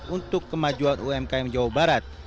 untuk kemajuan umkm jawa barat